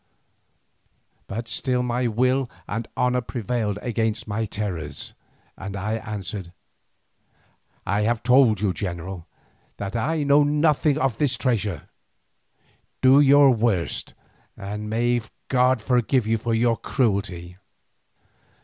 But still my will and my honour prevailed against my terrors, and I answered: "I have told you, general, that I know nothing of this treasure. Do your worst, and may God forgive you for your cruelty."